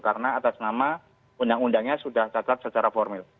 karena atas nama undang undangnya sudah cacat secara formil